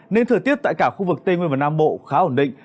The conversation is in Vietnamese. nên thời tiết tại cả khu vực tây nguyên và nam bộ khá ổn định